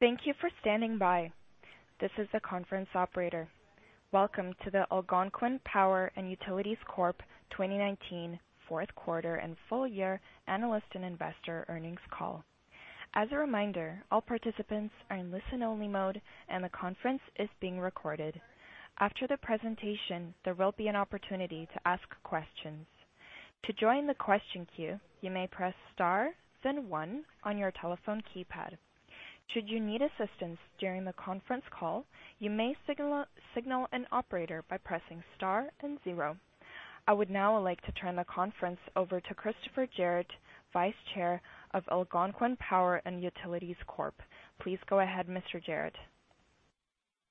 Thank you for standing by. This is the conference operator. Welcome to the Algonquin Power & Utilities Corp. 2019 fourth quarter and full year analyst and investor earnings call. As a reminder, all participants are in listen-only mode, and the conference is being recorded. After the presentation, there will be an opportunity to ask questions. To join the question queue, you may press star then one on your telephone keypad. Should you need assistance during the conference call, you may signal an operator by pressing star and zero. I would now like to turn the conference over to Chris Jarratt, Vice Chair of Algonquin Power & Utilities Corp. Please go ahead, Mr. Jarratt.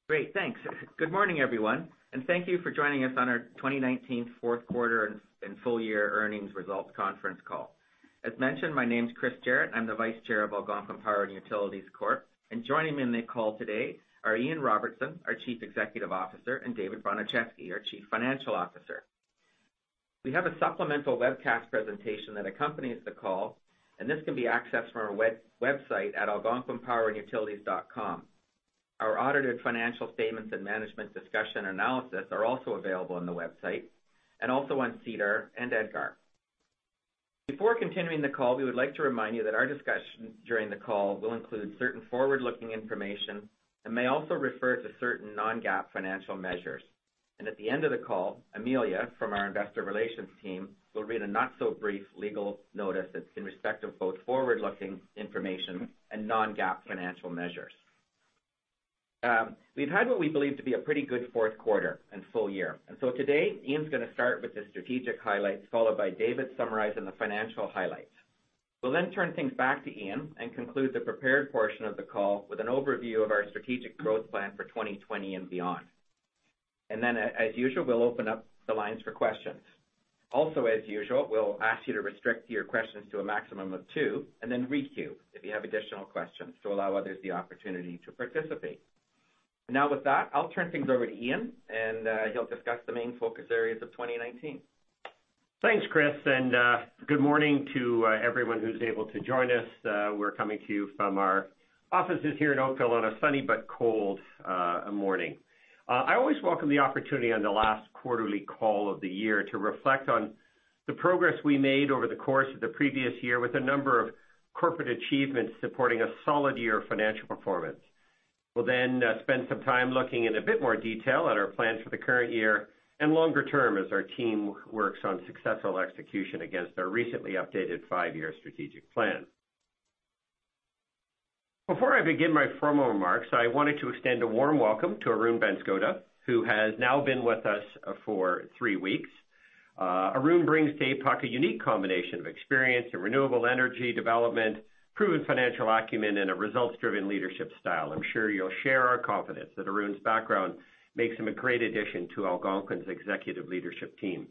Great. Thanks. Good morning, everyone, and thank you for joining us on our 2019 fourth quarter and full-year earnings results conference call. As mentioned, my name's Chris Jarratt. I'm the Vice Chair of Algonquin Power & Utilities Corp. Joining me in the call today are Ian Robertson, our Chief Executive Officer, and David Bronicheski, our Chief Financial Officer. We have a supplemental webcast presentation that accompanies the call, and this can be accessed from our website at algonquinpower.com. Our audited financial statements and management discussion analysis are also available on the website, and also on SEDAR and EDGAR. Before continuing the call, we would like to remind you that our discussion during the call will include certain forward-looking information and may also refer to certain non-GAAP financial measures. At the end of the call, Amelia from our Investor Relations team will read a not-so-brief legal notice that's in respect of both forward-looking information and non-GAAP financial measures. We've had what we believe to be a pretty good fourth quarter and full year. Today, Ian's going to start with the strategic highlights, followed by David summarizing the financial highlights. We'll turn things back to Ian and conclude the prepared portion of the call with an overview of our strategic growth plan for 2020 and beyond. As usual, we'll open up the lines for questions. Also, as usual, we'll ask you to restrict your questions to a maximum of two, and then re-queue if you have additional questions to allow others the opportunity to participate. Now with that, I'll turn things over to Ian, and he'll discuss the main focus areas of 2019. Thanks, Chris. Good morning to everyone who's able to join us. We're coming to you from our offices here in Oakville on a sunny but cold morning. I always welcome the opportunity on the last quarterly call of the year to reflect on the progress we made over the course of the previous year with a number of corporate achievements supporting a solid year of financial performance. We'll spend some time looking in a bit more detail at our plans for the current year and longer term as our team works on successful execution against our recently updated five-year strategic plan. Before I begin my formal remarks, I wanted to extend a warm welcome to Arun Banskota, who has now been with us for three weeks. Arun brings to APUC a unique combination of experience in renewable energy development, proven financial acumen, and a results-driven leadership style. I'm sure you'll share our confidence that Arun's background makes him a great addition to Algonquin's executive leadership team.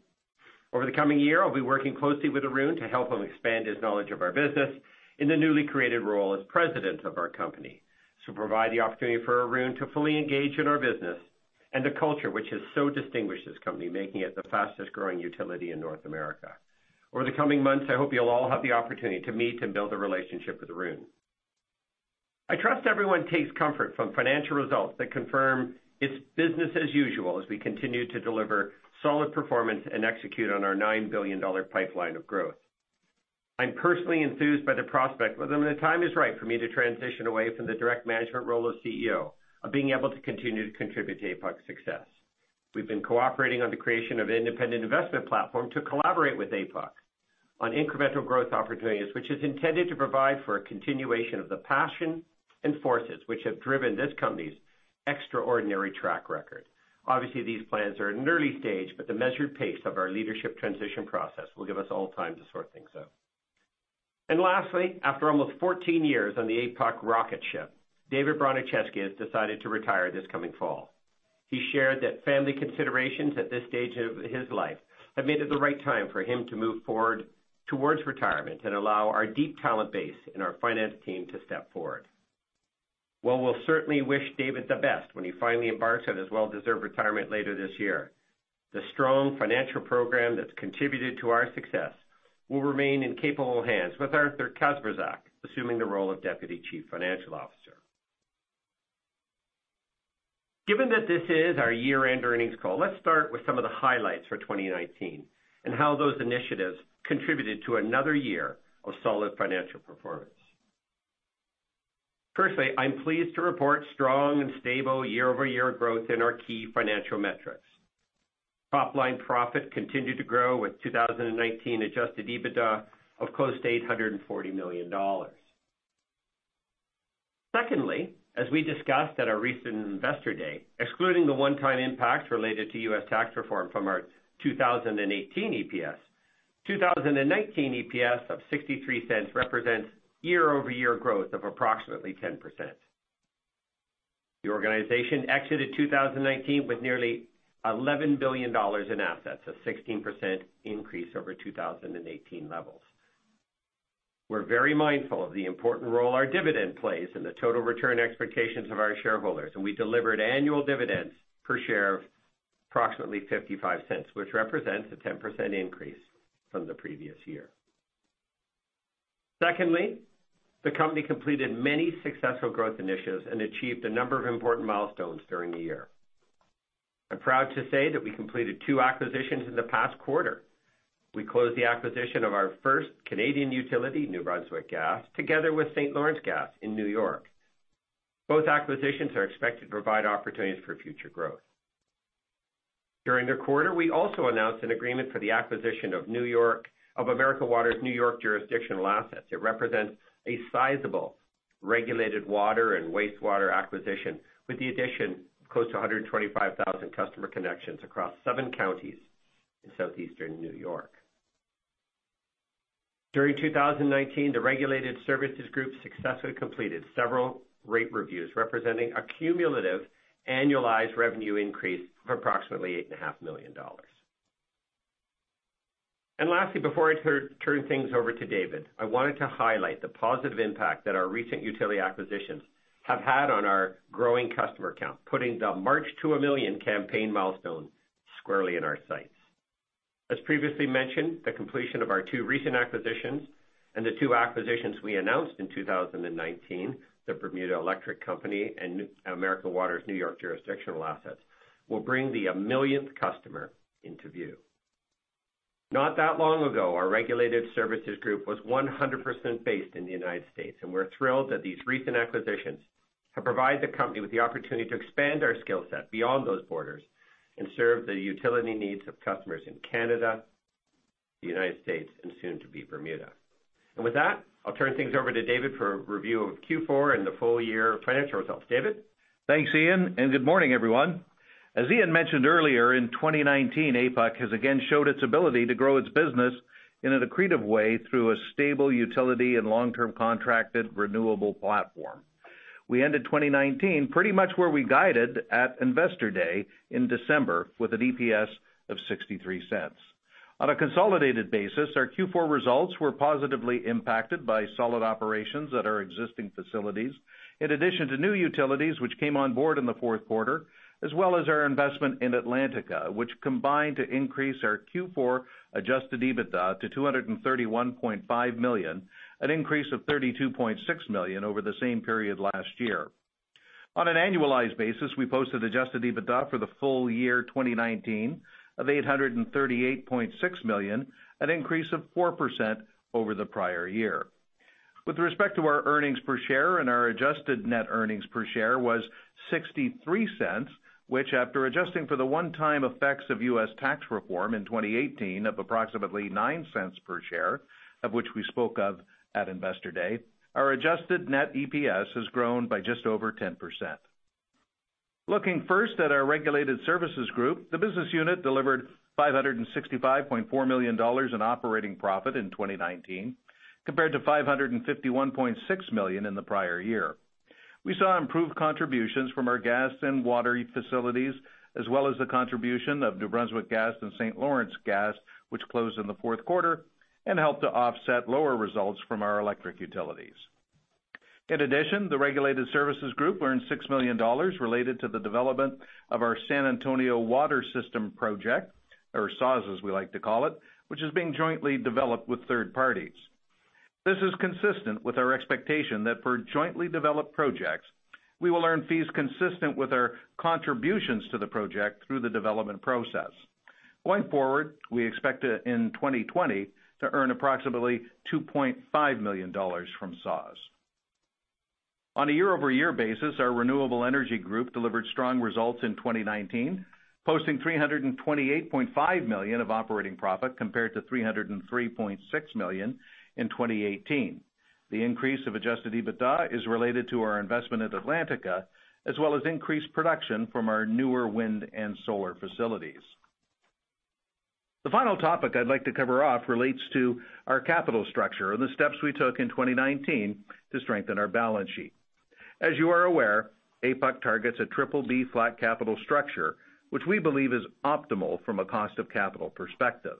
Over the coming year, I'll be working closely with Arun to help him expand his knowledge of our business in the newly created role as President of our company. This will provide the opportunity for Arun to fully engage in our business and the culture which has so distinguished this company, making it the fastest-growing utility in North America. Over the coming months, I hope you'll all have the opportunity to meet and build a relationship with Arun. I trust everyone takes comfort from financial results that confirm it's business as usual as we continue to deliver solid performance and execute on our $9 billion pipeline of growth. I'm personally enthused by the prospect that the time is right for me to transition away from the direct management role of CEO of being able to continue to contribute to APUC's success. We've been cooperating on the creation of an independent investment platform to collaborate with APUC on incremental growth opportunities, which is intended to provide for a continuation of the passion and forces which have driven this company's extraordinary track record. These plans are in an early stage, but the measured pace of our leadership transition process will give us all time to sort things out. Lastly, after almost 14 years on the APUC rocket ship, David Bronicheski has decided to retire this coming fall. He shared that family considerations at this stage of his life have made it the right time for him to move forward towards retirement and allow our deep talent base and our finance team to step forward. While we'll certainly wish David the best when he finally embarks on his well-deserved retirement later this year, the strong financial program that's contributed to our success will remain in capable hands with Arthur Kacprzak assuming the role of Deputy Chief Financial Officer. Given that this is our year-end earnings call, let's start with some of the highlights for 2019 and how those initiatives contributed to another year of solid financial performance. Firstly, I'm pleased to report strong and stable year-over-year growth in our key financial metrics. Top-line profit continued to grow with 2019 adjusted EBITDA of close to $840 million. Secondly, as we discussed at our recent investor day, excluding the one-time impact related to U.S. tax reform from our 2018 EPS, 2019 EPS of 0.63 represents year-over-year growth of approximately 10%. The organization exited 2019 with nearly 11 billion dollars in assets, a 16% increase over 2018 levels. We're very mindful of the important role our dividend plays in the total return expectations of our shareholders, and we delivered annual dividends per share of approximately 0.55, which represents a 10% increase from the previous year. Secondly, the company completed many successful growth initiatives and achieved a number of important milestones during the year. I'm proud to say that we completed two acquisitions in the past quarter. We closed the acquisition of our first Canadian utility, New Brunswick Gas, together with St. Lawrence Gas in New York. Both acquisitions are expected to provide opportunities for future growth. During the quarter, we also announced an agreement for the acquisition of American Water's N.Y. jurisdictional assets. It represents a sizable regulated water and wastewater acquisition, with the addition of close to 125,000 customer connections across seven counties in southeastern N.Y. During 2019, the Regulated Services Group successfully completed several rate reviews, representing a cumulative annualized revenue increase of approximately $8.5 million. Lastly, before I turn things over to David, I wanted to highlight the positive impact that our recent utility acquisitions have had on our growing customer count, putting the March to a Million campaign milestone squarely in our sights. As previously mentioned, the completion of our two recent acquisitions and the two acquisitions we announced in 2019, the Bermuda Electric Light Company and American Water's N.Y. jurisdictional assets, will bring the millionth customer into view. Not that long ago, our Regulated Services Group was 100% based in the U.S., and we're thrilled that these recent acquisitions have provided the company with the opportunity to expand our skill set beyond those borders and serve the utility needs of customers in Canada, the U.S., and soon-to-be Bermuda. With that, I'll turn things over to David for a review of Q4 and the full-year financial results. David? Thanks, Ian. Good morning, everyone. As Ian mentioned earlier, in 2019, APUC has again showed its ability to grow its business in an accretive way through a stable utility and long-term contracted renewable platform. We ended 2019 pretty much where we guided at Investor Day in December, with an EPS of $0.63. On a consolidated basis, our Q4 results were positively impacted by solid operations at our existing facilities, in addition to new utilities which came on board in the fourth quarter, as well as our investment in Atlantica, which combined to increase our Q4 adjusted EBITDA to $231.5 million, an increase of $32.6 million over the same period last year. On an annualized basis, we posted adjusted EBITDA for the full year 2019 of $838.6 million, an increase of 4% over the prior year. With respect to our earnings per share and our adjusted net earnings per share was $0.63, which after adjusting for the one-time effects of U.S. tax reform in 2018 of approximately $0.09 per share, of which we spoke of at Investor Day, our adjusted net EPS has grown by just over 10%. Looking first at our Regulated Services Group, the business unit delivered $565.4 million in operating profit in 2019 compared to $551.6 million in the prior year. We saw improved contributions from our gas and water facilities, as well as the contribution of New Brunswick Gas and St. Lawrence Gas, which closed in the fourth quarter and helped to offset lower results from our electric utilities. In addition, the Regulated Services Group earned $6 million related to the development of our San Antonio Water System project, or SAWS, as we like to call it, which is being jointly developed with third parties. This is consistent with our expectation that for jointly developed projects, we will earn fees consistent with our contributions to the project through the development process. Going forward, we expect in 2020 to earn approximately $2.5 million from SAWS. On a year-over-year basis, our Renewable Energy Group delivered strong results in 2019, posting $328.5 million of operating profit, compared to $303.6 million in 2018. The increase of adjusted EBITDA is related to our investment at Atlantica, as well as increased production from our newer wind and solar facilities. The final topic I'd like to cover off relates to our capital structure and the steps we took in 2019 to strengthen our balance sheet. As you are aware, APUC targets a triple B flat capital structure, which we believe is optimal from a cost of capital perspective.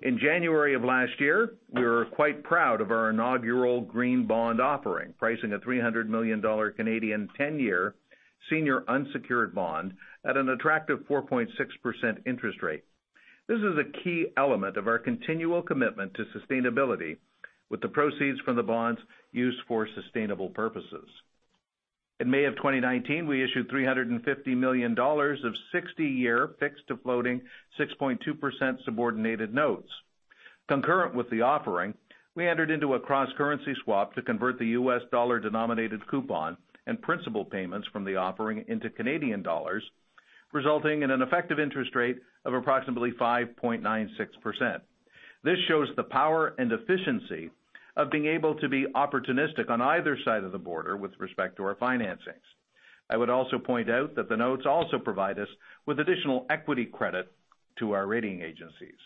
In January of last year, we were quite proud of our inaugural green bond offering, pricing a 300 million Canadian dollars Canadian 10-year senior unsecured bond at an attractive 4.6% interest rate. This is a key element of our continual commitment to sustainability, with the proceeds from the bonds used for sustainable purposes. In May of 2019, we issued $350 million of 60-year fixed to floating 6.2% subordinated notes. Concurrent with the offering, we entered into a cross-currency swap to convert the US dollar-denominated coupon and principal payments from the offering into Canadian dollars, resulting in an effective interest rate of approximately 5.96%. This shows the power and efficiency of being able to be opportunistic on either side of the border with respect to our financings. I would also point out that the notes also provide us with additional equity credit to our rating agencies.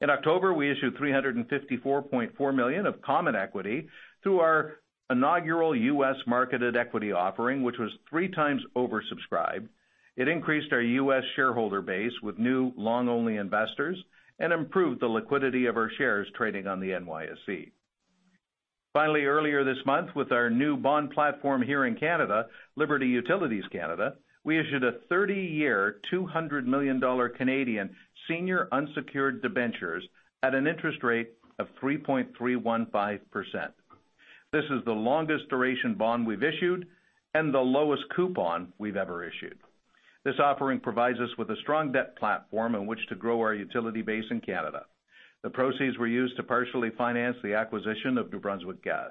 In October, we issued $354.4 million of common equity through our inaugural U.S. marketed equity offering, which was three times oversubscribed. It increased our U.S. shareholder base with new long-only investors and improved the liquidity of our shares trading on the NYSE. Finally, earlier this month with our new bond platform here in Canada, Liberty Utilities Canada, we issued a 30-year, 200 million Canadian dollars Canadian senior unsecured debentures at an interest rate of 3.315%. This is the longest duration bond we've issued and the lowest coupon we've ever issued. This offering provides us with a strong debt platform in which to grow our utility base in Canada. The proceeds were used to partially finance the acquisition of New Brunswick Gas.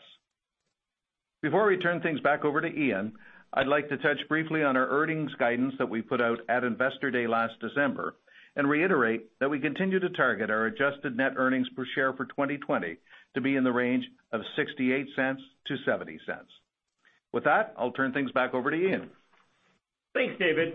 Before we turn things back over to Ian, I'd like to touch briefly on our earnings guidance that we put out at Investor Day last December, and reiterate that we continue to target our adjusted net earnings per share for 2020 to be in the range of $0.68-$0.70. With that, I'll turn things back over to Ian. Thanks, David.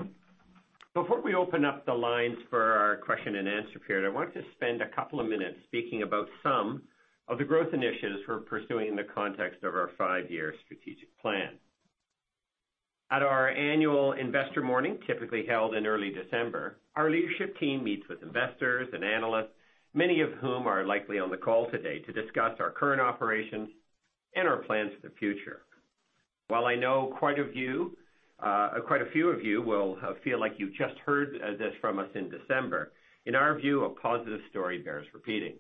Before we open up the lines for our question and answer period, I want to spend a couple of minutes speaking about some of the growth initiatives we're pursuing in the context of our Five Plus Five plan. At our annual investor morning, typically held in early December, our leadership team meets with investors and analysts, many of whom are likely on the call today, to discuss our current operations and our plans for the future. While I know quite a few of you will feel like you just heard this from us in December, in our view, a positive story bears repeating.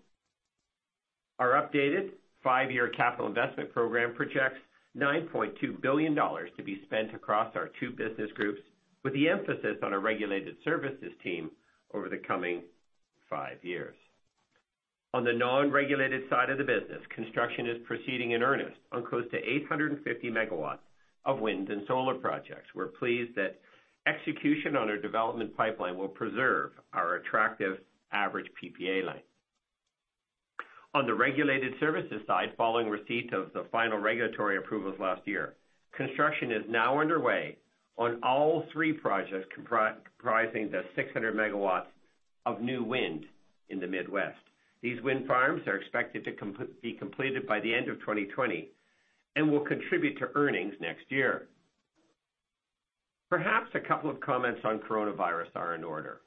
Our updated five-year capital investment program projects $9.2 billion to be spent across our two business groups, with the emphasis on a Regulated Services team over the coming five years. On the non-regulated side of the business, construction is proceeding in earnest on close to 850 MW of wind and solar projects. We're pleased that execution on our development pipeline will preserve our attractive average PPA line. On the Regulated Services side, following receipt of the final regulatory approvals last year, construction is now underway on all three projects comprising the 600 MW of new wind in the Midwest. These wind farms are expected to be completed by the end of 2020, will contribute to earnings next year. Perhaps a couple of comments on coronavirus are in order.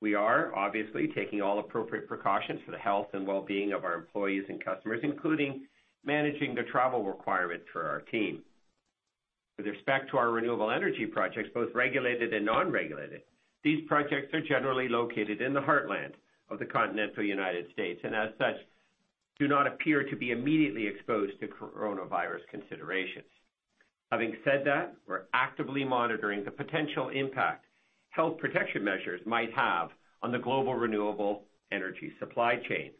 We are obviously taking all appropriate precautions for the health and wellbeing of our employees and customers, including managing the travel requirement for our team. With respect to our renewable energy projects, both regulated and non-regulated, these projects are generally located in the heartland of the continental United States, and as such, do not appear to be immediately exposed to coronavirus considerations. Having said that, we're actively monitoring the potential impact health protection measures might have on the global renewable energy supply chain.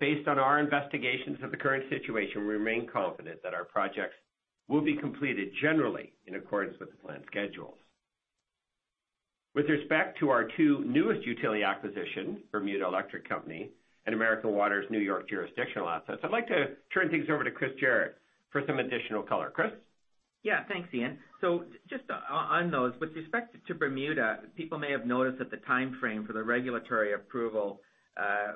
Based on our investigations of the current situation, we remain confident that our projects will be completed generally in accordance with the planned schedules. With respect to our two newest utility acquisitions, Bermuda Electric Light Company and American Water's New York jurisdictional assets, I'd like to turn things over to Chris Jarratt for some additional color. Chris? Thanks, Ian. Just on those, with respect to Bermuda, people may have noticed that the timeframe for the regulatory approval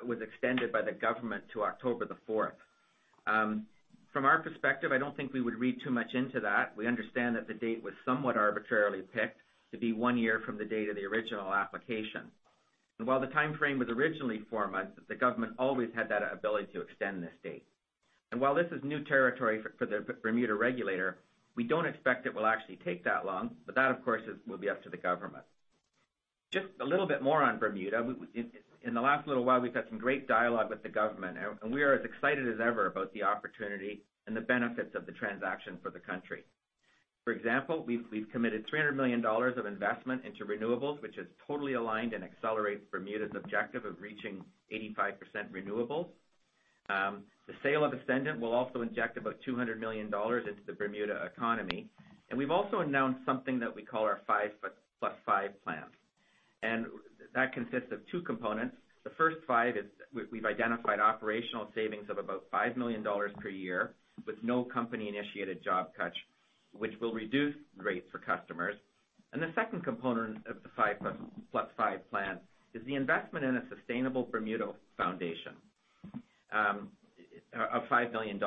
was extended by the government to October the 4th. From our perspective, I don't think we would read too much into that. We understand that the date was somewhat arbitrarily picked to be one year from the date of the original application. While the timeframe was originally four months, the government always had that ability to extend this date. While this is new territory for the Bermuda regulator, we don't expect it will actually take that long, but that, of course, will be up to the government. Just a little bit more on Bermuda. In the last little while, we've had some great dialogue with the government, and we are as excited as ever about the opportunity and the benefits of the transaction for the country. For example, we've committed $300 million of investment into renewables, which is totally aligned and accelerates Bermuda's objective of reaching 85% renewables. The sale of Ascendant will also inject about $200 million into the Bermuda economy. We've also announced something that we call our Five Plus Five plan. That consists of two components. The first five is we've identified operational savings of about $5 million per year with no company-initiated job cuts, which will reduce rates for customers. The second component of the Five Plus Five plan is the investment in a sustainable Bermuda foundation of $5 million.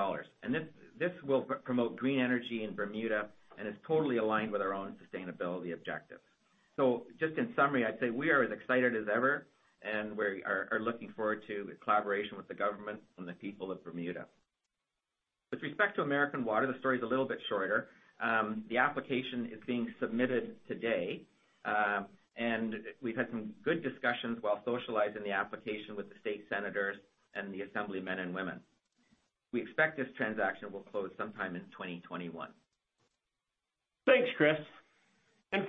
This will promote green energy in Bermuda and is totally aligned with our own sustainability objectives. Just in summary, I'd say we are as excited as ever, and we are looking forward to collaboration with the government and the people of Bermuda. With respect to American Water, the story's a little bit shorter. The application is being submitted today. We've had some good discussions while socializing the application with the state senators and the assembly men and women. We expect this transaction will close sometime in 2021. Thanks, Chris.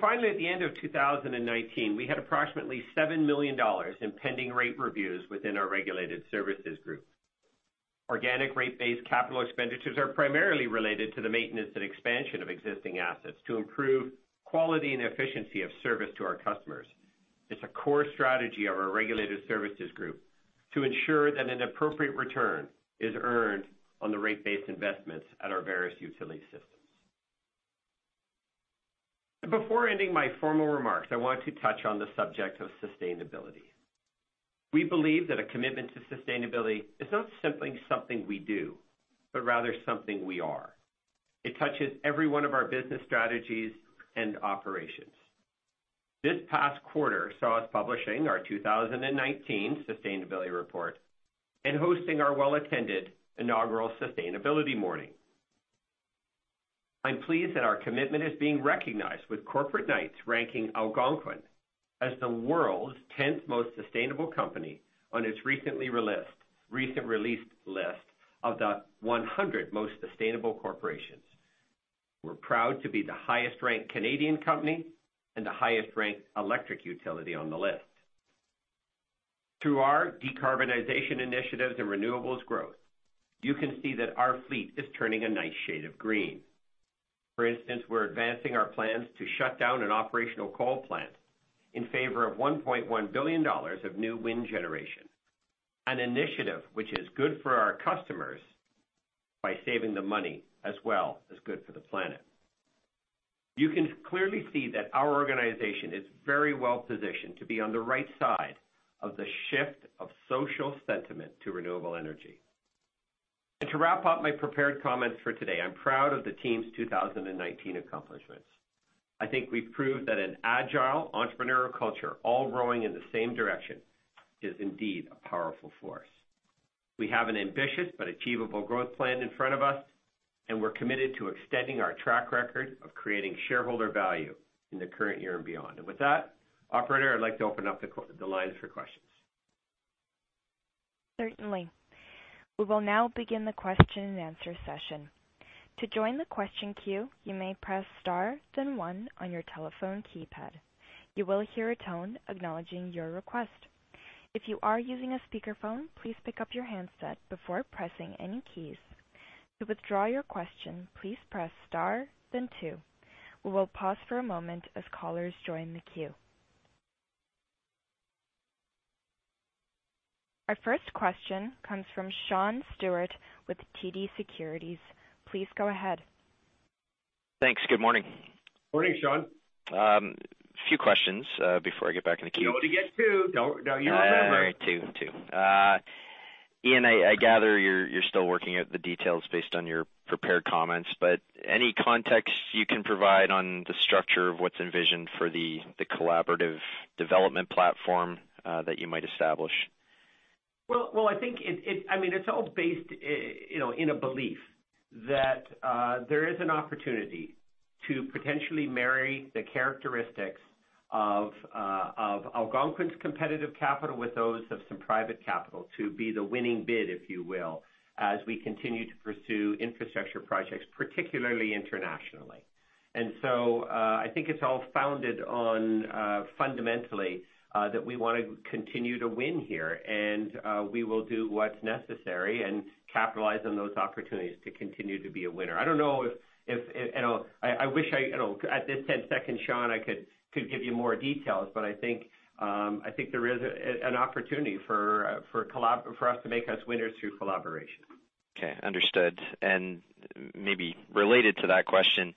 Finally, at the end of 2019, we had approximately $7 million in pending rate reviews within our Regulated Services Group. Organic rate-based capital expenditures are primarily related to the maintenance and expansion of existing assets to improve quality and efficiency of service to our customers. It's a core strategy of our Regulated Services Group to ensure that an appropriate return is earned on the rate-based investments at our various utility systems. Before ending my formal remarks, I want to touch on the subject of sustainability. We believe that a commitment to sustainability is not simply something we do, but rather something we are. It touches every one of our business strategies and operations. This past quarter saw us publishing our 2019 sustainability report and hosting our well-attended inaugural sustainability morning. I'm pleased that our commitment is being recognized with Corporate Knights ranking Algonquin as the world's 10th most sustainable company on its recent released list of the 100 most sustainable corporations. We're proud to be the highest-ranked Canadian company and the highest-ranked electric utility on the list. Through our decarbonization initiatives and renewables growth, you can see that our fleet is turning a nice shade of green. For instance, we're advancing our plans to shut down an operational coal plant in favor of $1.1 billion of new wind generation, an initiative which is good for our customers by saving them money as well as good for the planet. You can clearly see that our organization is very well-positioned to be on the right side of the shift of social sentiment to renewable energy. To wrap up my prepared comments for today, I'm proud of the team's 2019 accomplishments. I think we've proved that an agile entrepreneurial culture all rowing in the same direction is indeed a powerful force. We have an ambitious but achievable growth plan in front of us, and we're committed to extending our track record of creating shareholder value in the current year and beyond. With that, operator, I'd like to open up the lines for questions. Certainly. We will now begin the question and answer session. To join the question queue, you may press star then one on your telephone keypad. You will hear a tone acknowledging your request. If you are using a speakerphone, please pick up your handset before pressing any keys. To withdraw your question, please press star, then two. We will pause for a moment as callers join the queue. Our first question comes from Sean Steuart with TD Securities. Please go ahead. Thanks. Good morning. Morning, Sean. A few questions before I get back in the queue. Know to get two. You remember. Right, two. Ian, I gather you're still working out the details based on your prepared comments, but any context you can provide on the structure of what's envisioned for the collaborative development platform that you might establish? Well, it's all based in a belief that there is an opportunity to potentially marry the characteristics of Algonquin's competitive capital with those of some private capital to be the winning bid, if you will, as we continue to pursue infrastructure projects, particularly internationally. I think it's all founded on, fundamentally, that we want to continue to win here. We will do what's necessary and capitalize on those opportunities to continue to be a winner. I don't know. I wish at this 10 seconds, Sean, I could give you more details, but I think there is an opportunity for us to make us winners through collaboration. Okay, understood. Maybe related to that question,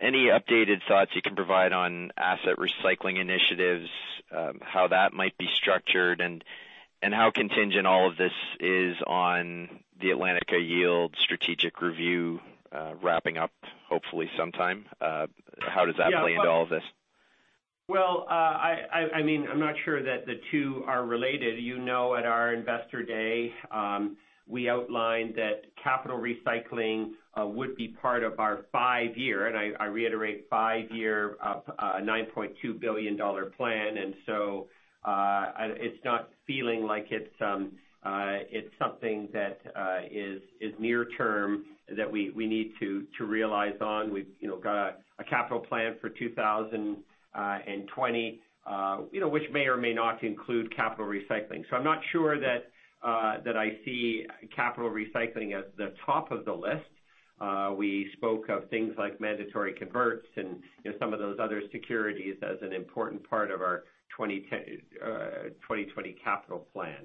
any updated thoughts you can provide on asset recycling initiatives, how that might be structured, and how contingent all of this is on the Atlantica Yield strategic review wrapping up hopefully sometime? How does that play into all of this? Well, I'm not sure that the two are related. You know at our investor day, we outlined that capital recycling would be part of our five-year, and I reiterate, five-year $9.2 billion plan. It's not feeling like it's something that is near term that we need to realize on. We've got a capital plan for 2020, which may or may not include capital recycling. I'm not sure that I see capital recycling as the top of the list. We spoke of things like mandatory converts and some of those other securities as an important part of our 2020 capital plan.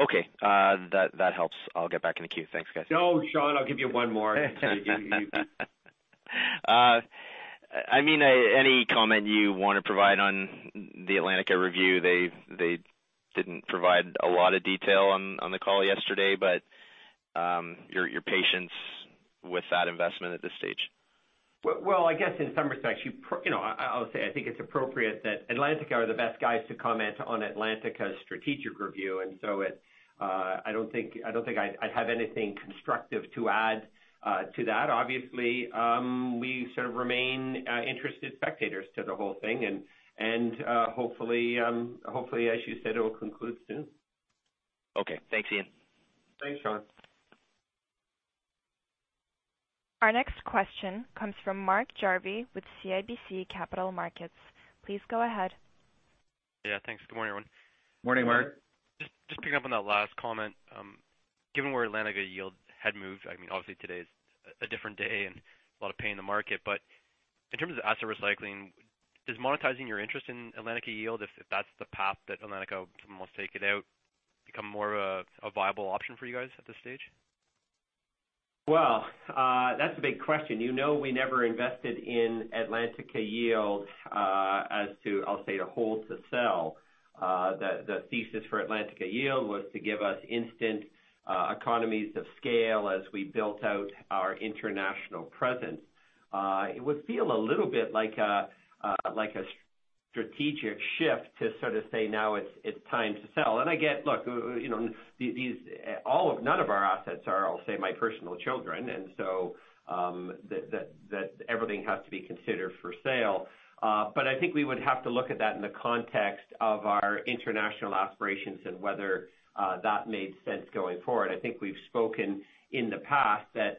Okay. That helps. I'll get back in the queue. Thanks, guys. No, Sean, I'll give you one more. Any comment you want to provide on the Atlantica review? They didn't provide a lot of detail on the call yesterday, but your patience with that investment at this stage? I guess in some respects, I'll say I think it's appropriate that Atlantica are the best guys to comment on Atlantica's strategic review. I don't think I have anything constructive to add to that. Obviously, we sort of remain interested spectators to the whole thing, and hopefully, as you said, it will conclude soon. Okay. Thanks, Ian. Thanks, Sean. Our next question comes from Mark Jarvi with CIBC Capital Markets. Please go ahead. Yeah, thanks. Good morning, everyone. Morning, Mark. Just picking up on that last comment. Given where Atlantica Yield had moved, obviously today is a different day and a lot of pain in the market, but in terms of asset recycling, does monetizing your interest in Atlantica Yield, if that's the path that Atlantica will most take it out, become more of a viable option for you guys at this stage? Well, that's a big question. You know we never invested in Atlantica Yield as to, I'll say, to hold to sell. The thesis for Atlantica Yield was to give us instant economies of scale as we built out our international presence. It would feel a little bit like a strategic shift to sort of say, now it's time to sell. I get, look, none of our assets are, I'll say, my personal children, and so everything has to be considered for sale. I think we would have to look at that in the context of our international aspirations and whether that made sense going forward. I think we've spoken in the past that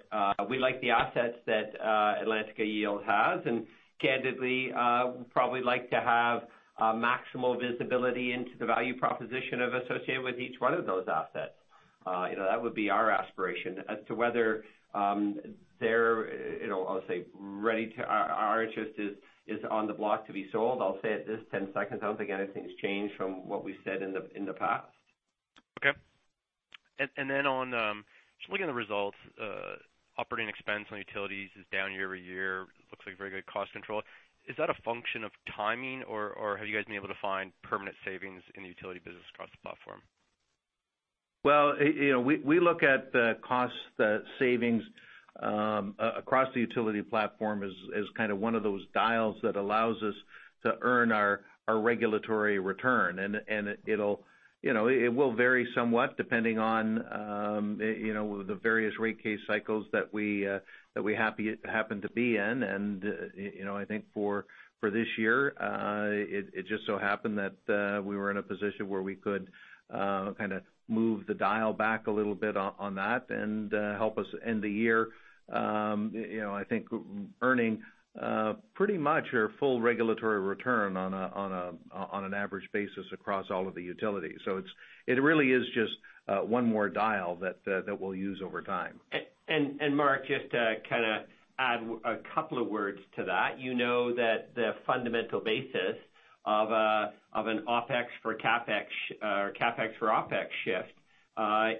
we like the assets that Atlantica Yield has, and candidly, we'd probably like to have maximal visibility into the value proposition associated with each one of those assets. That would be our aspiration. As to whether they're, I'll say, our interest is on the block to be sold, I'll say at this 10 seconds, I don't think anything's changed from what we said in the past. Okay. Then on just looking at the results, operating expense on utilities is down year-over-year. Looks like very good cost control. Is that a function of timing, or have you guys been able to find permanent savings in the utility business across the platform? Well, we look at the cost savings across the utility platform as kind of one of those dials that allows us to earn our regulatory return. It will vary somewhat depending on the various rate case cycles that we happen to be in. I think for this year, it just so happened that we were in a position where we could kind of move the dial back a little bit on that and help us end the year, I think, earning pretty much our full regulatory return on an average basis across all of the utilities. It really is just one more dial that we'll use over time. Mark, just to kind of add a couple of words to that. You know that the fundamental basis of a CapEx for OpEx shift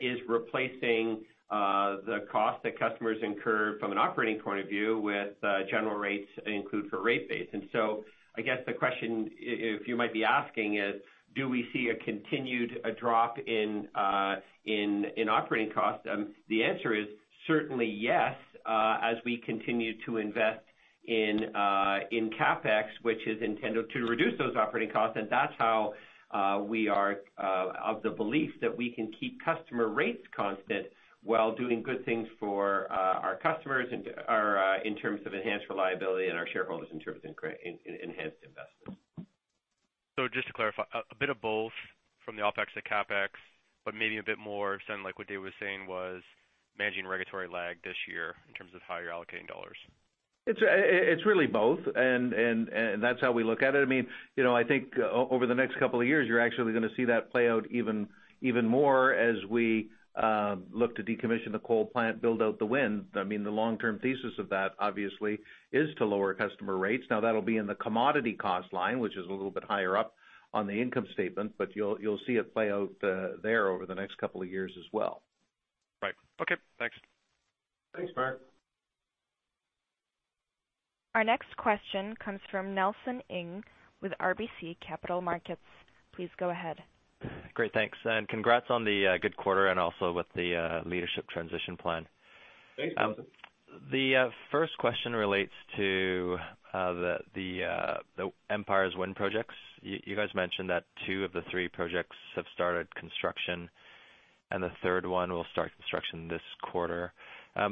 is replacing the cost that customers incur from an operating point of view with general rates include for rate base. I guess the question you might be asking is, do we see a continued drop in operating costs? The answer is certainly yes, as we continue to invest in CapEx, which is intended to reduce those operating costs. That's how we are of the belief that we can keep customer rates constant while doing good things for our customers in terms of enhanced reliability and our shareholders in terms of enhanced investments. Just to clarify, a bit of both from the OpEx to CapEx, but maybe a bit more sounding like what Dave was saying was managing regulatory lag this year in terms of how you're allocating dollars. It's really both. That's how we look at it. I think over the next couple of years, you're actually going to see that play out even more as we look to decommission the coal plant, build out the wind. The long-term thesis of that, obviously, is to lower customer rates. That'll be in the commodity cost line, which is a little bit higher up on the income statement. You'll see it play out there over the next couple of years as well. Right. Okay, thanks. Thanks, Mark. Our next question comes from Nelson Ng with RBC Capital Markets. Please go ahead. Great, thanks. Congrats on the good quarter and also with the leadership transition plan. Thanks, Nelson. The first question relates to the Empire's wind projects. You guys mentioned that two of the three projects have started construction, and the third one will start construction this quarter. Is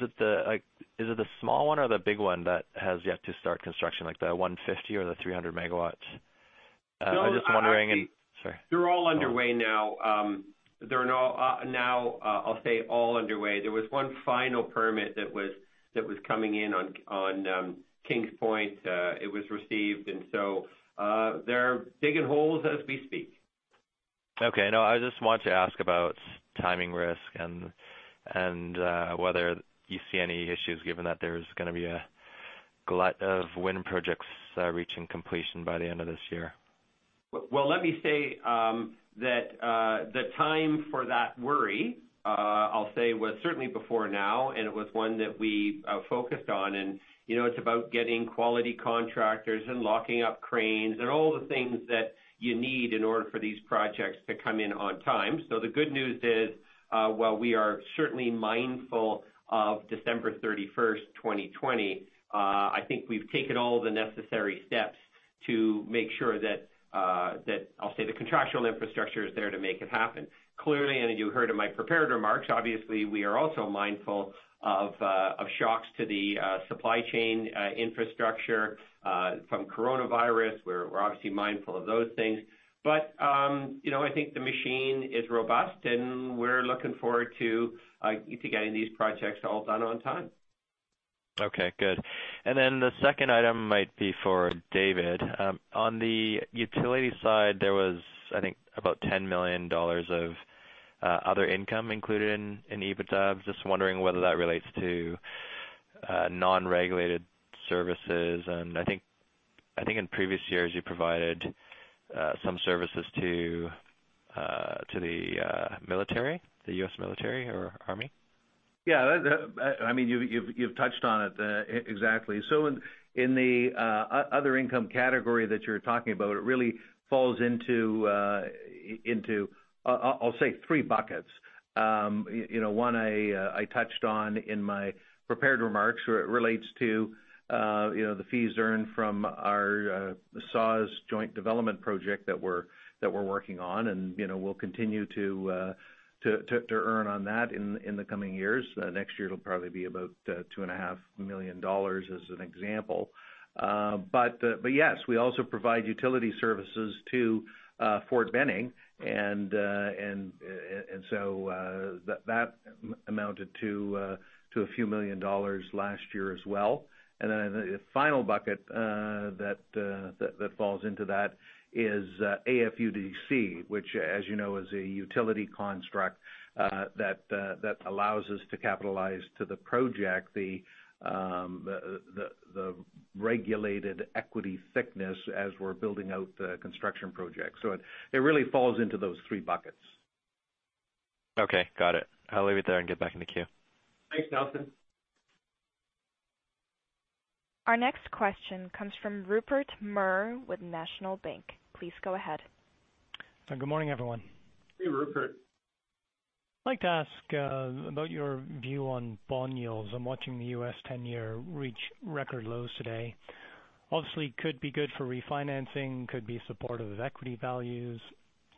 it the small one or the big one that has yet to start construction, like the 150 MW or the 300 MW? I'm just wondering. Sorry. They're all underway now. Now, I'll say all underway. There was one final permit that was coming in on Kings Point. It was received, they're digging holes as we speak. Okay. No, I just wanted to ask about timing risk and whether you see any issues given that there's going to be a glut of wind projects reaching completion by the end of this year. Well, let me say that the time for that worry, I'll say, was certainly before now, and it was one that we focused on. It's about getting quality contractors and locking up cranes and all the things that you need in order for these projects to come in on time. The good news is, while we are certainly mindful of December 31st, 2020, I think we've taken all the necessary steps to make sure that, I'll say, the contractual infrastructure is there to make it happen. Clearly, you heard in my prepared remarks, obviously, we are also mindful of shocks to the supply chain infrastructure from coronavirus. We're obviously mindful of those things. I think the machine is robust, and we're looking forward to getting these projects all done on time. Okay, good. The second item might be for David. On the utility side, there was, I think, about $10 million of other income included in EBITDA. I'm just wondering whether that relates to non-regulated services. I think in previous years, you provided some services to the military, the U.S. military or army. Yeah. You've touched on it exactly. In the other income category that you're talking about, it really falls into, I'll say three buckets. One, I touched on in my prepared remarks, where it relates to the fees earned from our SAWS joint development project that we're working on. We'll continue to earn on that in the coming years. Next year, it'll probably be about $2.5 million as an example. Yes, we also provide utility services to Fort Benning. That amounted to a few million dollars last year as well. The final bucket that falls into that is AFUDC, which as you know, is a utility construct that allows us to capitalize to the project the regulated equity thickness as we're building out the construction project. It really falls into those three buckets. Okay, got it. I'll leave it there and get back in the queue. Thanks, Nelson. Our next question comes from Rupert Merer with National Bank. Please go ahead. Good morning, everyone. Hey, Rupert. I'd like to ask about your view on bond yields. I'm watching the U.S. 10-year reach record lows today. Obviously, could be good for refinancing, could be supportive of equity values.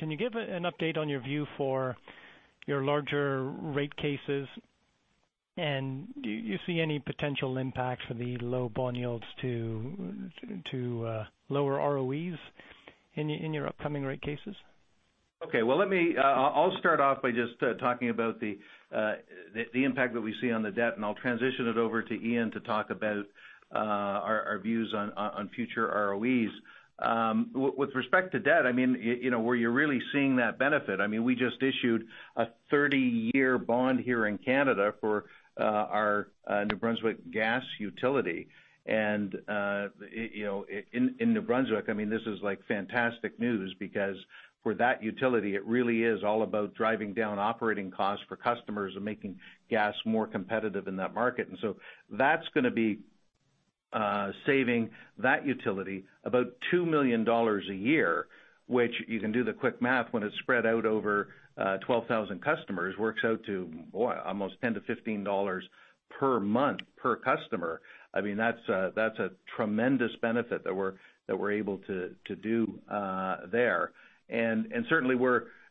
Can you give an update on your view for your larger rate cases? Do you see any potential impact for the low bond yields to lower ROEs in your upcoming rate cases? Okay. I'll start off by just talking about the impact that we see on the debt, and I'll transition it over to Ian to talk about our views on future ROEs. With respect to debt, where you're really seeing that benefit, we just issued a 30-year bond here in Canada for our New Brunswick Gas utility. In New Brunswick, this is fantastic news because for that utility, it really is all about driving down operating costs for customers and making gas more competitive in that market. That's going to be saving that utility about 2 million dollars a year, which you can do the quick math when it's spread out over 12,000 customers. Works out to, boy, almost 10-15 dollars per month per customer. That's a tremendous benefit that we're able to do there. Certainly,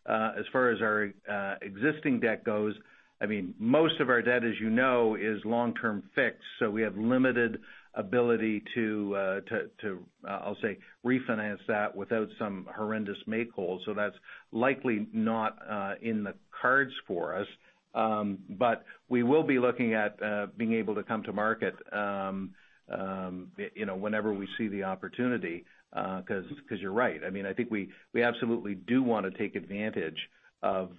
as far as our existing debt goes, most of our debt, as you know, is long-term fixed. We have limited ability to, I'll say, refinance that without some horrendous make-whole. That's likely not in the cards for us. We will be looking at being able to come to market whenever we see the opportunity. You're right. I think we absolutely do want to take advantage of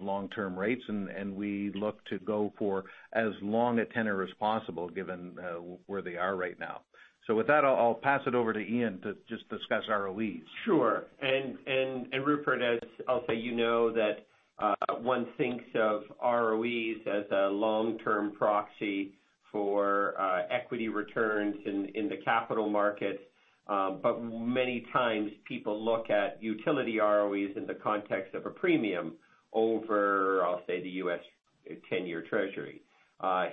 long-term rates, and we look to go for as long a tenor as possible, given where they are right now. With that, I'll pass it over to Ian to just discuss ROEs. Sure. Rupert, as I'll say you know that one thinks of ROEs as a long-term proxy for equity returns in the capital markets. Many times, people look at utility ROEs in the context of a premium over, I'll say, the U.S. 10-year Treasury.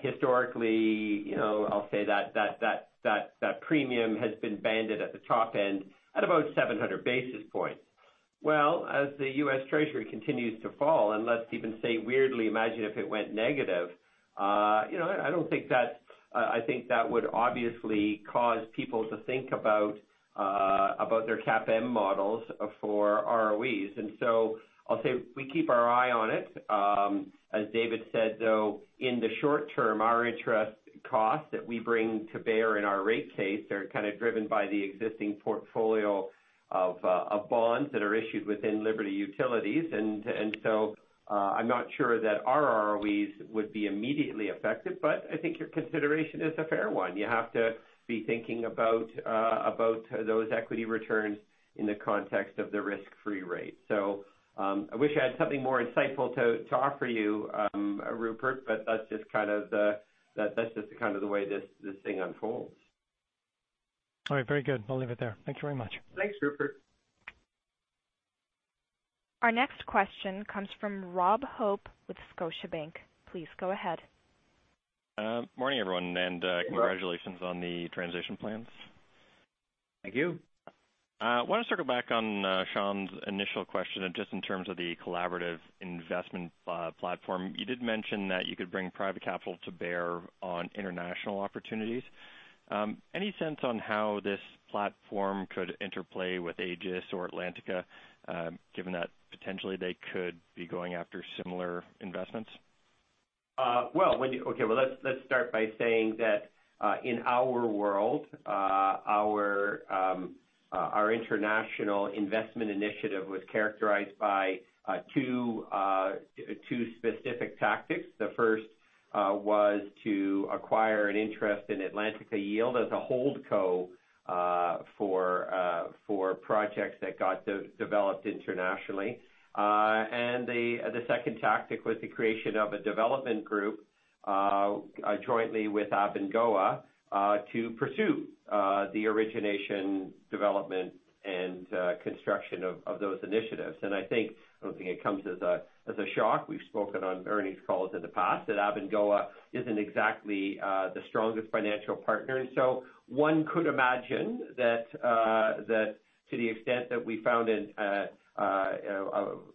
Historically, I'll say that premium has been banded at the top end at about 700 basis points. As the U.S. Treasury continues to fall, and let's even say weirdly, imagine if it went negative. I think that would obviously cause people to think about their cap M models for ROEs. I'll say we keep our eye on it. As David said, though, in the short term, our interest costs that we bring to bear in our rate case are kind of driven by the existing portfolio of bonds that are issued within Liberty Utilities. I'm not sure that our ROEs would be immediately affected, but I think your consideration is a fair one. You have to be thinking about those equity returns in the context of the risk-free rate. I wish I had something more insightful to offer you, Rupert, but that's just the kind of the way this thing unfolds. All right. Very good. I'll leave it there. Thank you very much. Thanks, Rupert. Our next question comes from Robert Hope with Scotiabank. Please go ahead. Morning, everyone. Hey, Rob. Congratulations on the transition plans. Thank you. I want to circle back on Sean's initial question, just in terms of the collaborative investment platform. You did mention that you could bring private capital to bear on international opportunities. Any sense on how this platform could interplay with AAGES or Atlantica, given that potentially they could be going after similar investments? Well, let's start by saying that in our world, Our international investment initiative was characterized by two specific tactics. The first was to acquire an interest in Atlantica Yield as a holdco for projects that got developed internationally. The second tactic was the creation of a development group, jointly with Abengoa, to pursue the origination, development, and construction of those initiatives. I don't think it comes as a shock. We've spoken on earnings calls in the past that Abengoa isn't exactly the strongest financial partner. One could imagine that to the extent that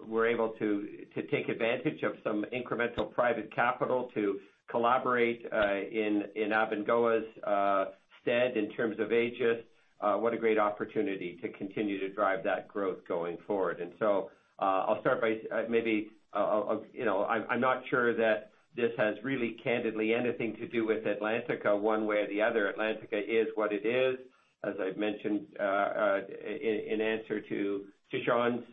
we're able to take advantage of some incremental private capital to collaborate in Abengoa's stead in terms of AAGES. What a great opportunity to continue to drive that growth going forward. I'm not sure that this has really, candidly, anything to do with Atlantica one way or the other. Atlantica is what it is. As I've mentioned, in answer to Sean's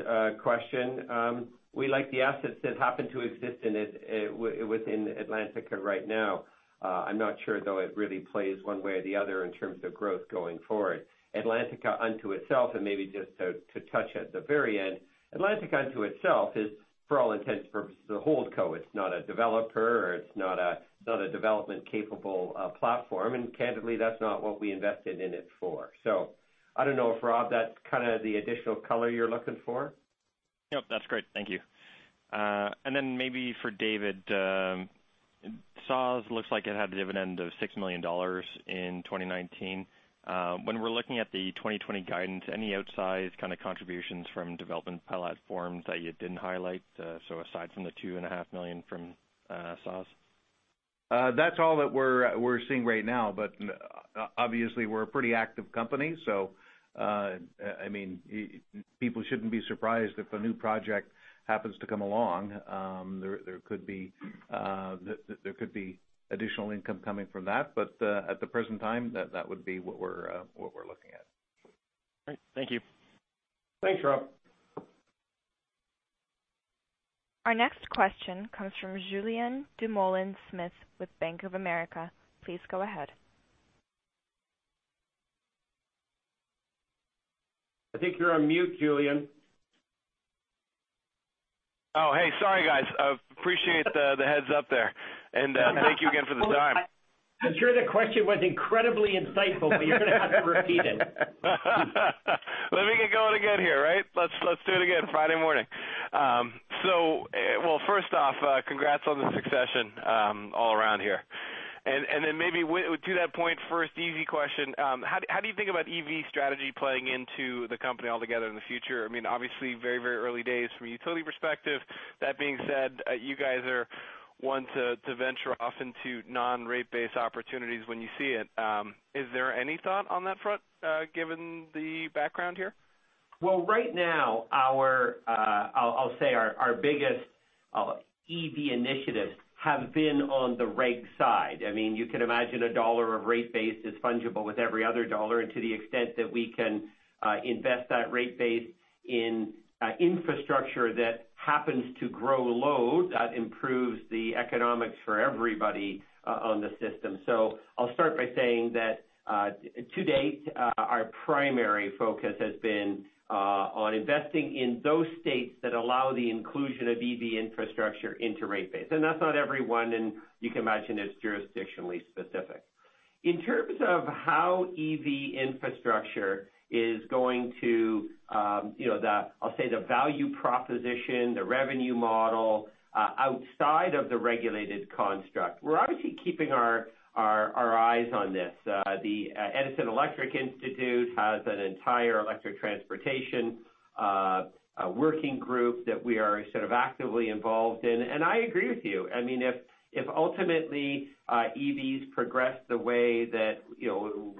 question, we like the assets that happen to exist within Atlantica right now. I'm not sure, though, it really plays one way or the other in terms of growth going forward. Atlantica unto itself, and maybe just to touch at the very end. Atlantica unto itself is, for all intents and purposes, a holdco. It's not a developer, or it's not a development-capable platform. Candidly, that's not what we invested in it for. I don't know if, Rob, that's kind of the additional color you're looking for? Yep. That's great. Thank you. Maybe for David. SAWS looks like it had a dividend of $6 million in 2019. When we're looking at the 2020 guidance, any outsized kind of contributions from development platforms that you didn't highlight? Aside from the $2.5 million from SAWS. That's all that we're seeing right now. Obviously, we're a pretty active company, so people shouldn't be surprised if a new project happens to come along. There could be additional income coming from that, but at the present time, that would be what we're looking at. Great. Thank you. Thanks, Rob. Our next question comes from Julien Dumoulin-Smith with Bank of America. Please go ahead. I think you're on mute, Julien. Oh, hey, sorry, guys. Appreciate the heads up there. Thank you again for the time. I'm sure the question was incredibly insightful, but you're going to have to repeat it. Let me get going again here. Let's do it again. Friday morning. Well, first off, congrats on the succession all around here. Then maybe to that point, first easy question. How do you think about EV strategy playing into the company altogether in the future? Obviously, very early days from a utility perspective. That being said, you guys are one to venture off into non-rate base opportunities when you see it. Is there any thought on that front given the background here? Well, right now I'll say our biggest EV initiatives have been on the reg side. You can imagine a dollar of rate base is fungible with every other dollar. To the extent that we can invest that rate base in infrastructure that happens to grow load, that improves the economics for everybody on the system. I'll start by saying that to date, our primary focus has been on investing in those states that allow the inclusion of EV infrastructure into rate base. That's not everyone, and you can imagine it's jurisdictionally specific. In terms of how EV infrastructure is going to the, I'll say, the value proposition, the revenue model, outside of the regulated construct. We're obviously keeping our eyes on this. The Edison Electric Institute has an entire electric transportation working group that we are sort of actively involved in. I agree with you. If ultimately EVs progress the way that,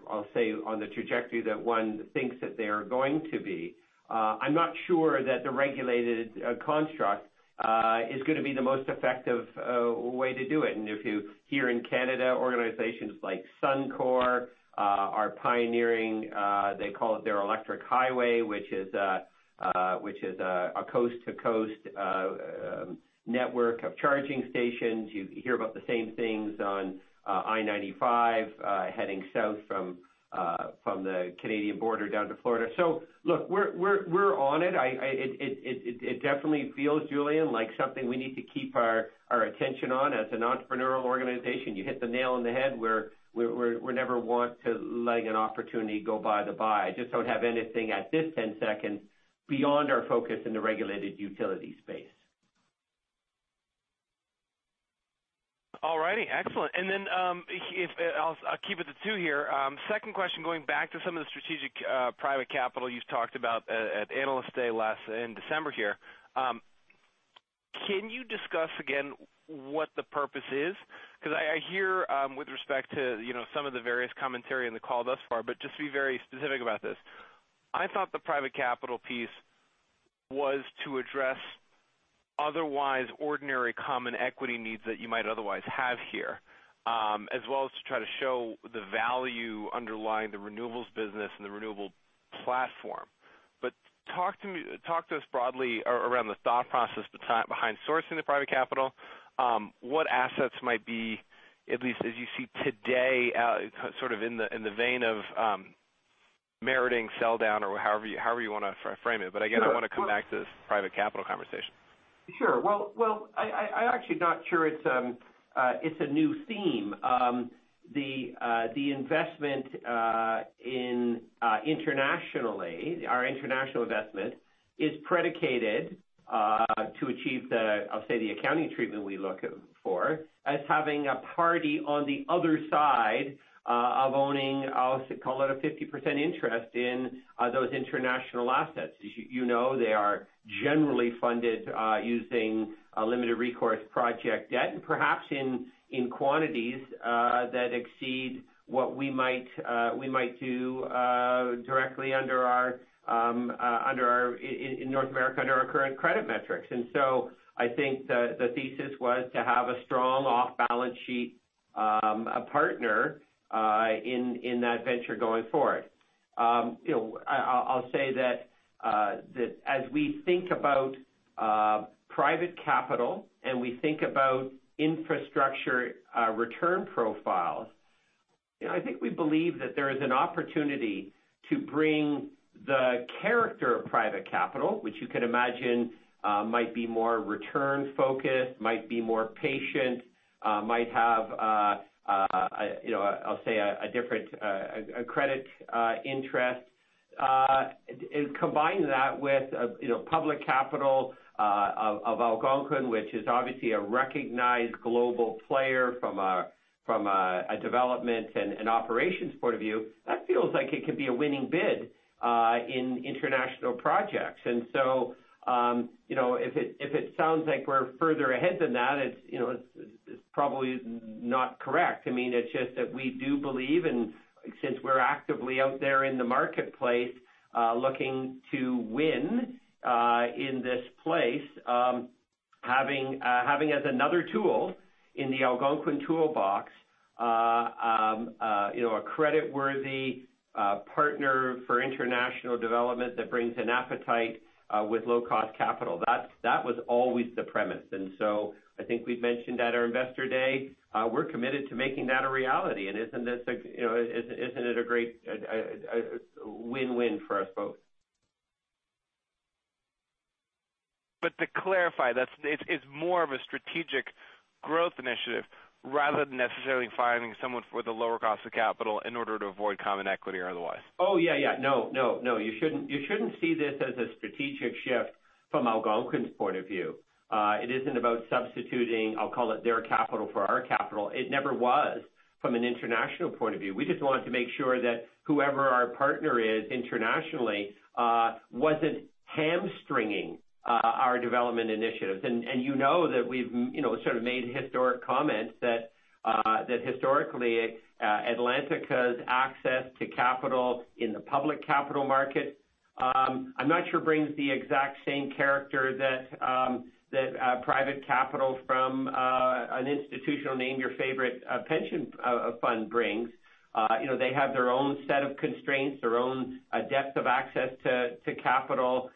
I'll say, on the trajectory that one thinks that they are going to be, I'm not sure that the regulated construct is going to be the most effective way to do it. If you hear in Canada, organizations like Suncor are pioneering, they call it their Electric Highway, which is a coast-to-coast network of charging stations. You hear about the same things on I-95 heading south from the Canadian border down to Florida. Look, we're on it. It definitely feels, Julien, like something we need to keep our attention on as an entrepreneurial organization. You hit the nail on the head. We never want to let an opportunity go by the by. Just don't have anything at this second beyond our focus in the regulated utility space. All right. Excellent. Then I'll keep it to two here. Second question, going back to some of the strategic private capital you've talked about at Analyst Day last in December here. Can you discuss again what the purpose is? I hear with respect to some of the various commentary on the call thus far, just to be very specific about this. I thought the private capital piece was to address otherwise ordinary common equity needs that you might otherwise have here, as well as to try to show the value underlying the renewables business and the renewable platform. Talk to us broadly around the thought process behind sourcing the private capital. What assets might be, at least as you see today, in the vein of meriting sell-down or however you want to frame it. Again, I want to come back to this private capital conversation. Sure. Well, I'm actually not sure it's a new theme. The investment internationally, our international investment, is predicated to achieve the, I'll say, the accounting treatment we look for as having a party on the other side of owning, I'll call it a 50% interest in those international assets. As you know, they are generally funded using a limited recourse project debt, and perhaps in quantities that exceed what we might do directly in North America under our current credit metrics. I think the thesis was to have a strong off-balance sheet partner in that venture going forward. I'll say that as we think about private capital and we think about infrastructure return profiles, I think we believe that there is an opportunity to bring the character of private capital, which you can imagine might be more return-focused, might be more patient, might have, I'll say, a different credit interest. Combine that with public capital of Algonquin, which is obviously a recognized global player from a development and operations point of view, that feels like it could be a winning bid in international projects. If it sounds like we're further ahead than that, it's probably not correct. It's just that we do believe, and since we're actively out there in the marketplace looking to win in this place, having as another tool in the Algonquin toolbox, a credit-worthy partner for international development that brings an appetite with low-cost capital. That was always the premise. I think we've mentioned at our Investor Day, we're committed to making that a reality. Isn't it a great win-win for us both? To clarify, it's more of a strategic growth initiative rather than necessarily finding someone with a lower cost of capital in order to avoid common equity or otherwise. Oh, yeah. No, you shouldn't see this as a strategic shift from Algonquin's point of view. It isn't about substituting, I'll call it, their capital for our capital. It never was from an international point of view. We just wanted to make sure that whoever our partner is internationally wasn't hamstringing our development initiatives. You know that we've made historic comments that historically, Atlantica's access to capital in the public capital market, I'm not sure brings the exact same character that private capital from an institutional, name your favorite pension fund brings. They have their own set of constraints, their own depth of access to capital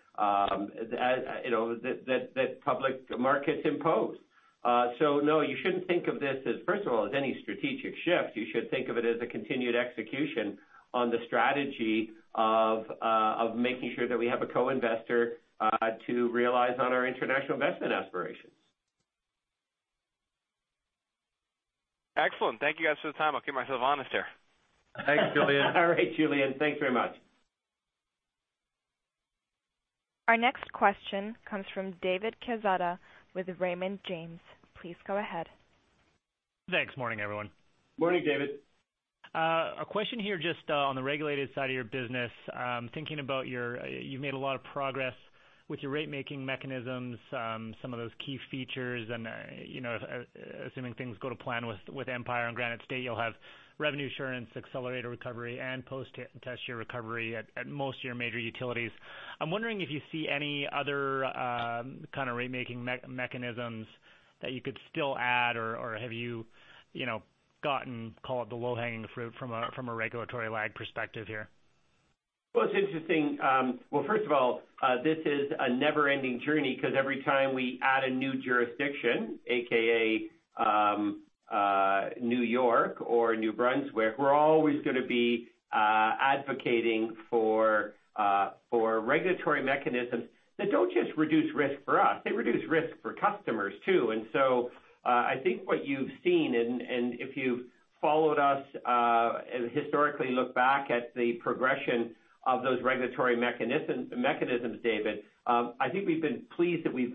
that public markets impose. No, you shouldn't think of this as, first of all, as any strategic shift. You should think of it as a continued execution on the strategy of making sure that we have a co-investor to realize on our international investment aspirations. Excellent. Thank you guys for the time. I'll keep myself honest here. Thanks, Julien. All right, Julien. Thanks very much. Our next question comes from David Quezada with Raymond James. Please go ahead. Thanks. Morning, everyone. Morning, David. A question here just on the regulated side of your business. Thinking about you've made a lot of progress with your rate-making mechanisms, some of those key features, and assuming things go to plan with Empire and Granite State, you'll have revenue assurance, accelerated recovery, and post-test year recovery at most of your major utilities. I'm wondering if you see any other kind of rate-making mechanisms that you could still add, or have you gotten, call it the low-hanging fruit from a regulatory lag perspective here? It's interesting. First of all, this is a never-ending journey because every time we add a new jurisdiction, AKA New York or New Brunswick, we're always going to be advocating for regulatory mechanisms that don't just reduce risk for us. They reduce risk for customers, too. I think what you've seen, and if you've followed us historically, look back at the progression of those regulatory mechanisms, David, I think we've been pleased that we've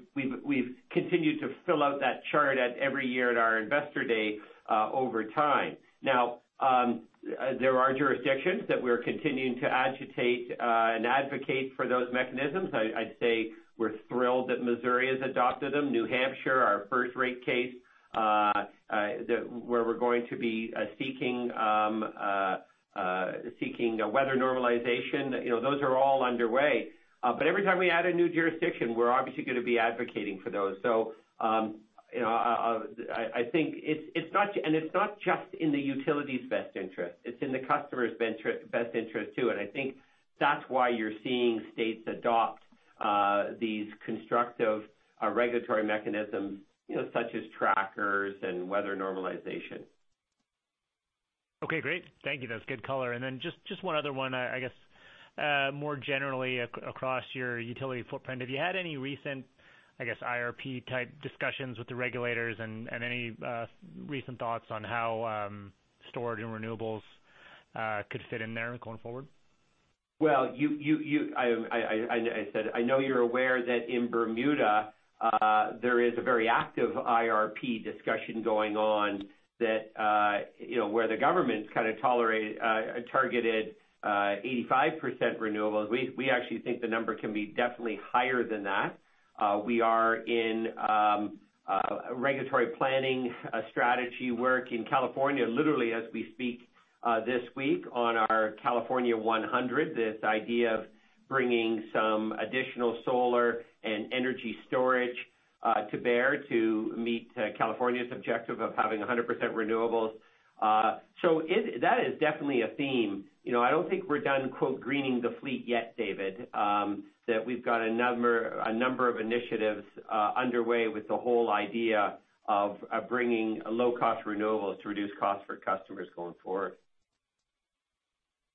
continued to fill out that chart at every year at our Investor Day over time. There are jurisdictions that we're continuing to agitate and advocate for those mechanisms. I'd say we're thrilled that Missouri has adopted them. New Hampshire, our first rate case, where we're going to be seeking a weather normalization. Those are all underway. Every time we add a new jurisdiction, we're obviously going to be advocating for those. It's not just in the utility's best interest, it's in the customer's best interest, too. I think that's why you're seeing states adopt these constructive regulatory mechanisms, such as trackers and weather normalization. Okay, great. Thank you. That's good color. Then just one other one, I guess, more generally across your utility footprint. Have you had any recent, I guess, IRP-type discussions with the regulators and any recent thoughts on how storage and renewables could fit in there going forward? Well, I know you're aware that in Bermuda, there is a very active IRP discussion going on where the government's kind of targeted 85% renewables. We actually think the number can be definitely higher than that. We are in regulatory planning strategy work in California, literally as we speak, this week on our California 100. This idea of bringing some additional solar and energy storage to bear to meet California's objective of having 100% renewables. That is definitely a theme. I don't think we're done, quote, "greening the fleet" yet, David, that we've got a number of initiatives underway with the whole idea of bringing low-cost renewables to reduce costs for customers going forward.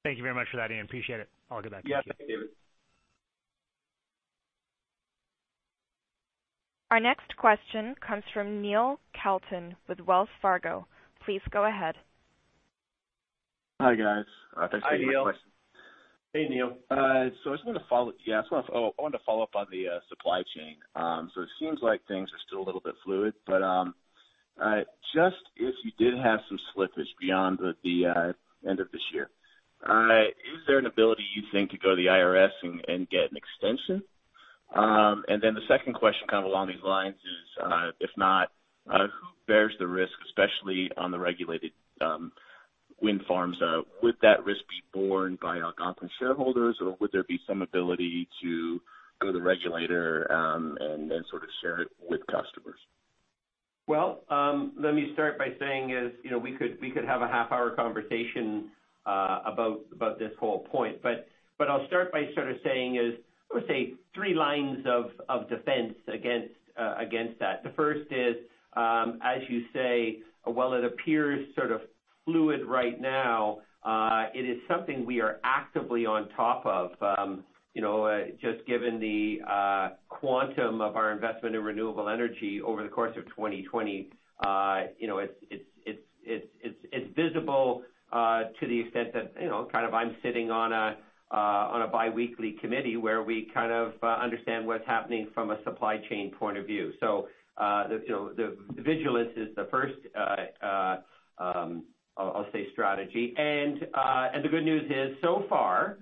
Thank you very much for that, Ian. Appreciate it. I'll give that to you. Yes, thank you, David. Our next question comes from Neil Kalton with Wells Fargo. Please go ahead. Hi, guys. Hi, Neil. Thanks for taking my question. Hey, Neil. I just wanted to follow up on the supply chain. It seems like things are still a little bit fluid, but just if you did have some slippage beyond the end of this year, is there an ability you think to go to the IRS and get an extension? The second question kind of along these lines is, if not, who bears the risk, especially on the regulated wind farms? Would that risk be borne by Algonquin shareholders, or would there be some ability to go to the regulator and then sort of share it with customers? Well, let me start by saying, we could have a half-hour conversation about this whole point. I'll start by sort of saying, I would say three lines of defense against that. The first is, as you say, while it appears sort of fluid right now, it is something we are actively on top of. Just given the quantum of our investment in renewable energy over the course of 2020, it's visible to the extent that I'm sitting on a biweekly committee where we kind of understand what's happening from a supply chain point of view. The vigilance is the first, I'll say, strategy. The good news is so far,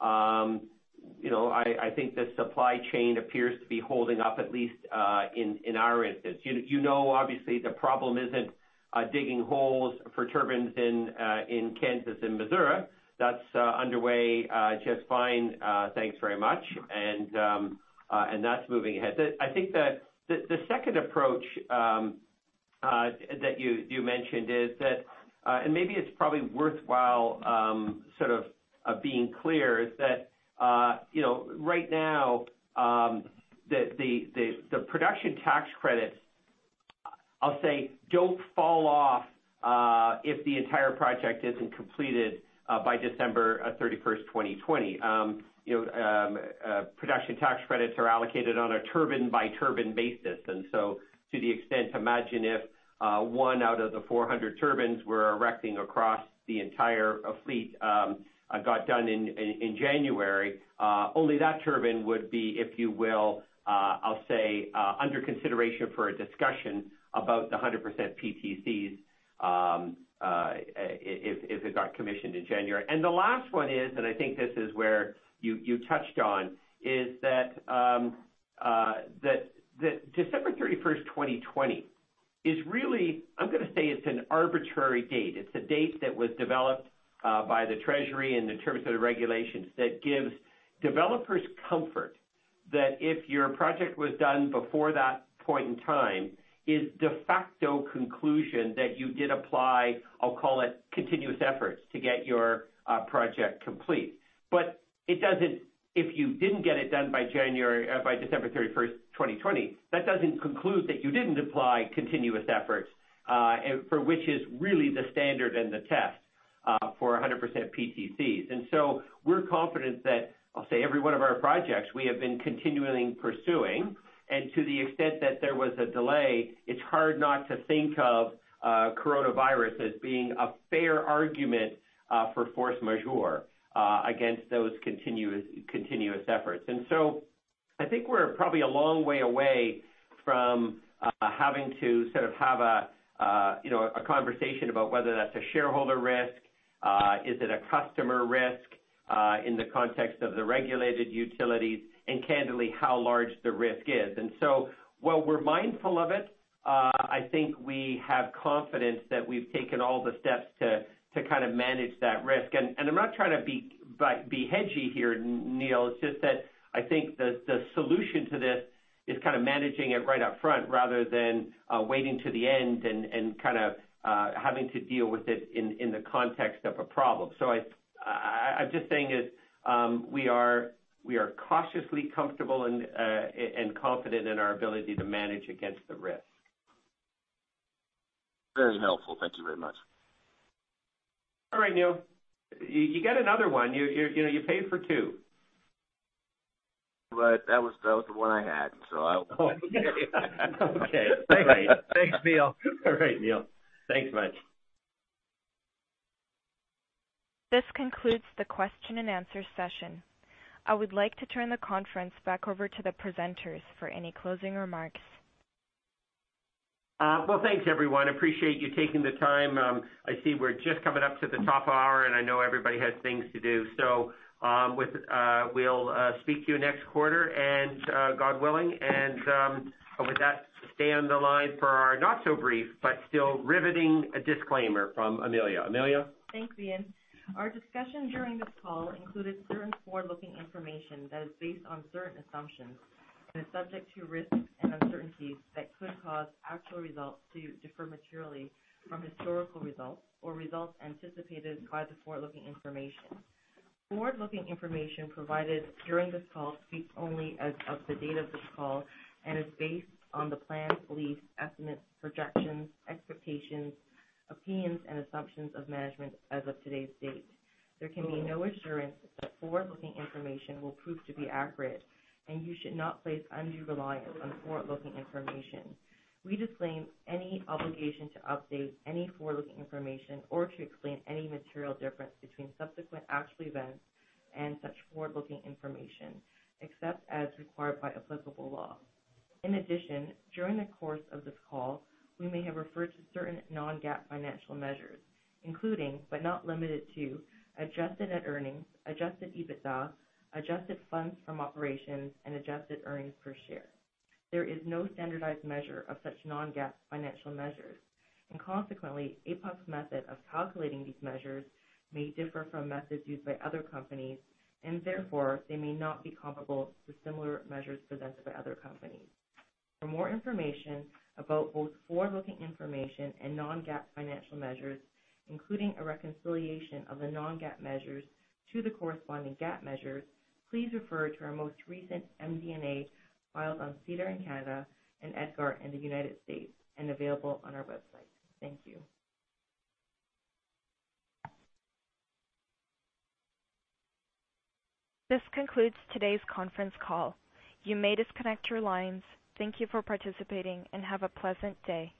I think the supply chain appears to be holding up at least in our instance. You know, obviously the problem isn't digging holes for turbines in Kansas and Missouri. That's underway just fine, thanks very much. That's moving ahead. I think that the second approach that you mentioned is that, and maybe it's probably worthwhile sort of being clear, is that right now, the Production Tax Credits, I'll say, don't fall off if the entire project isn't completed by December 31st, 2020. Production Tax Credits are allocated on a turbine-by-turbine basis. To the extent, imagine if one out of the 400 turbines we're erecting across the entire fleet got done in January. Only that turbine would be, if you will, I'll say, under consideration for a discussion about the 100% PTCs if it got commissioned in January. The last one is, I think this is where you touched on, December 31st, 2020 is really, I'm going to say it's an arbitrary date. It's a date that was developed by the Treasury and the terms of the regulations that gives developers comfort that if your project was done before that point in time, is de facto conclusion that you did apply, I'll call it, continuous efforts to get your project complete. If you didn't get it done by December 31st, 2020, that doesn't conclude that you didn't apply continuous efforts, for which is really the standard and the test for 100% PTCs. We're confident that, I'll say every one of our projects we have been continually pursuing. To the extent that there was a delay, it's hard not to think of coronavirus as being a fair argument for force majeure against those continuous efforts. I think we're probably a long way away from having to sort of have a conversation about whether that's a shareholder risk. Is it a customer risk in the context of the regulated utilities? Candidly, how large the risk is. While we're mindful of it, I think we have confidence that we've taken all the steps to kind of manage that risk. I'm not trying to be hedgy here, Neil. It's just that I think that the solution to this is kind of managing it right up front rather than waiting to the end and kind of having to deal with it in the context of a problem. I'm just saying is, we are cautiously comfortable and confident in our ability to manage against the risk. Very helpful. Thank you very much. All right, Neil. You get another one. You paid for two. That was the one I had. Okay. Great. Thanks, Neil. All right, Neil. Thanks much. This concludes the question and answer session. I would like to turn the conference back over to the presenters for any closing remarks. Thanks everyone. Appreciate you taking the time. I see we're just coming up to the top of the hour, and I know everybody has things to do. We'll speak to you next quarter, God willing. With that, stay on the line for our not so brief, but still riveting disclaimer from Amelia. Amelia? Thanks, Ian. Our discussion during this call included certain forward-looking information that is based on certain assumptions and is subject to risks and uncertainties that could cause actual results to differ materially from historical results or results anticipated by the forward-looking information. Forward-looking information provided during this call speaks only as of the date of this call and is based on the plans, beliefs, estimates, projections, expectations, opinions, and assumptions of management as of today's date. There can be no assurance that forward-looking information will prove to be accurate, and you should not place undue reliance on forward-looking information. We disclaim any obligation to update any forward-looking information or to explain any material difference between subsequent actual events and such forward-looking information, except as required by applicable law. In addition, during the course of this call, we may have referred to certain non-GAAP financial measures, including, but not limited to, adjusted net earnings, adjusted EBITDA, adjusted funds from operations, and adjusted earnings per share. There is no standardized measure of such non-GAAP financial measures, and consequently, APUC's method of calculating these measures may differ from methods used by other companies, and therefore, they may not be comparable to similar measures presented by other companies. For more information about both forward-looking information and non-GAAP financial measures, including a reconciliation of the non-GAAP measures to the corresponding GAAP measures, please refer to our most recent MD&A filed on SEDAR in Canada and EDGAR in the United States, and available on our website. Thank you. This concludes today's conference call. You may disconnect your lines. Thank you for participating, and have a pleasant day.